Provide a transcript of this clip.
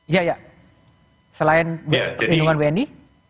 iya ya selain perlindungan wni